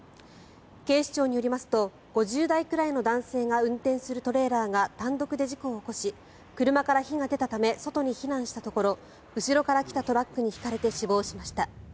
警視庁によりますと５０代くらいの男性が運転するトレーラーが単独で事故を起こし車から火が出たため外に避難したところ後ろから来たトラックにひかれて死亡しました。